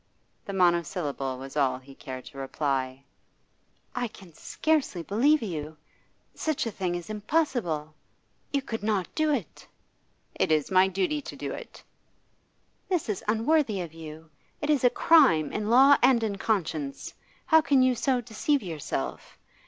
The monosyllable was all he cared to reply. 'I can scarcely believe you. Such a thing is impossible. You could not do it.' 'It's my duty to do it.' 'This is unworthy of you. It is a crime, in law and in conscience. How can you so deceive yourself?